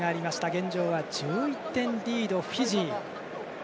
現状は１１点リード、フィジー。